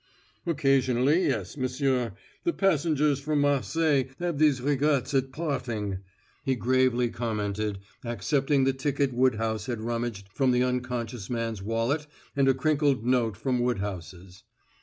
"Occasionally, yes, m'sieu, the passengers from Marseilles have these regrets at parting," he gravely commented, accepting the ticket Woodhouse had rummaged from the unconscious man's wallet and a crinkled note from Woodhouse's.